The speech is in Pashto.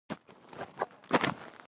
انسانیت ته زیاته اړتیا لرو.